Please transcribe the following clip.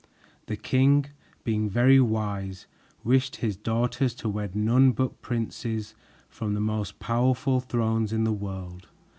The king, being very wise, wished his daughters to wed none but princes from the most powerful thrones in the world.